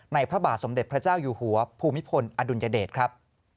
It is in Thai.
พระบาทสมเด็จพระเจ้าอยู่หัวภูมิพลอดุลยเดชครับ